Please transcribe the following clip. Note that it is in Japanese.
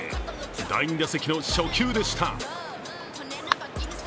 第２打席の初球でした。